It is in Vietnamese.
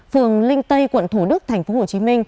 phường linh tây quận thủ đức tp hcm